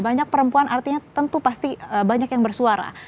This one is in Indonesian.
banyak perempuan artinya tentu pasti banyak yang bersuara